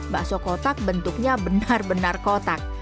bakso kotak bentuknya benar benar kotak